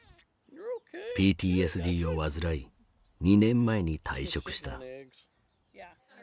ＰＴＳＤを患い２年前に退職した。